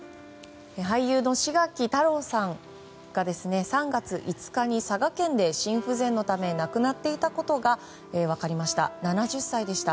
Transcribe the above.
俳優の志垣太郎さんが３月５日に佐賀県で心不全のため亡くなっていたことが分かりました。